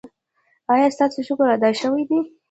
ایا ستاسو شکر ادا شوی دی؟